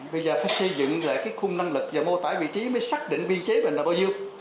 bây giờ phải xây dựng lại cái khung năng lực và mô tả vị trí mới xác định biên chế mình là bao nhiêu